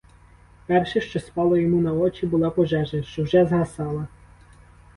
Перше, що спало йому на очі, була пожежа, що вже згасала.